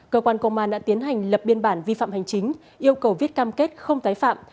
cơ quan công an đã tiến hành lập biên bản vi phạm hành chính yêu cầu viết cam kết không tái phạm